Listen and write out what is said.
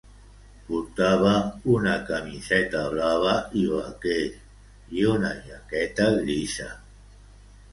Portava una camiseta blava i vaquers, i una jaqueta grisa.